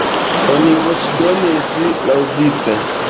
Oni voĉdonis laŭvice.